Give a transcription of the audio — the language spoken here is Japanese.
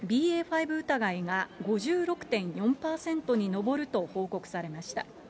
５疑いが５６．４％に上ると報告されました。